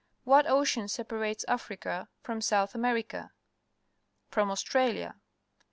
— WTiat ocean separates Africa from South America? From Australia?